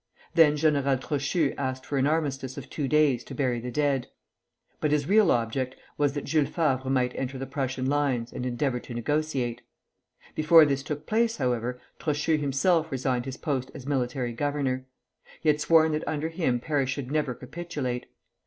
Then General Trochu asked for an armistice of two days to bury the dead; but his real object was that Jules Favre might enter the Prussian lines and endeavor to negotiate. Before this took place, however, Trochu himself resigned his post as military governor. He had sworn that under him Paris should never capitulate.